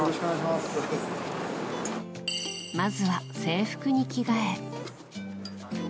まずは制服に着替え。